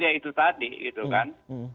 ya itu tadi gitu kan